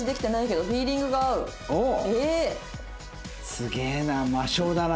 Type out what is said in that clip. すげえな魔性だな。